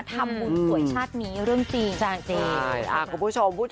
ทำบุตรสวยชาตินี้เรื่องจริง